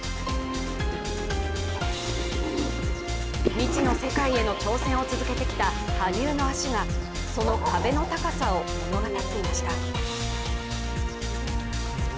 未知の世界への挑戦を続けてきた羽生の足が、その壁の高さを物語っていました。